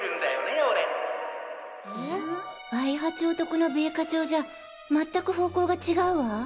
和井葉町とこの米花町じゃ全く方向が違うわ。